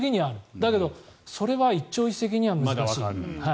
だけど、それは一朝一夕には難しい。